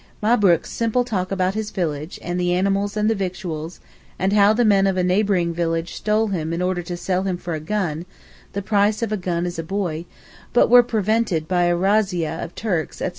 Mabrook's simple talk about his village, and the animals and the victuals; and how the men of a neighbouring village stole him in order to sell him for a gun (the price of a gun is a boy), but were prevented by a razzia of Turks, etc.